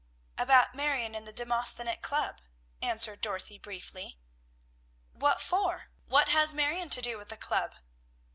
"About Marion and the Demosthenic Club!" answered Dorothy briefly. "What for? What has Marion to do with the club?"